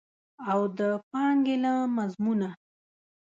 او د پانګې له مضمونه.